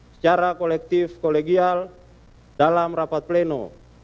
secara kolektif kolegial dalam rapat pleno